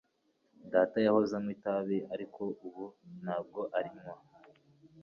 Data yahoze anywa itabi ariko ubu ntabwo arinywa